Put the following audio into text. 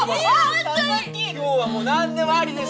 今日はもうなんでもありです！